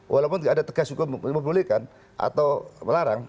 walaupun nggak ada tegas hukum memperbolehkan atau melarang